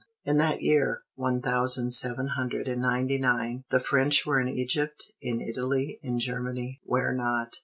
In that year, one thousand seven hundred and ninety nine, the French were in Egypt, in Italy, in Germany, where not?